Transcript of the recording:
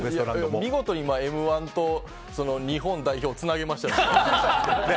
見事に「Ｍ‐１」と日本代表をつなげましたよね。